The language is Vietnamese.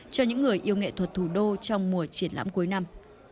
cho những người yêu nghệ thuật thủ đô trong mùa triển lãm cuối năm